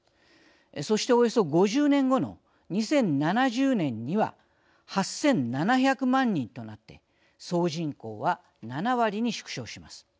そして、およそ５０年後の２０７０年には８７００万人となって総人口は７割に縮小します。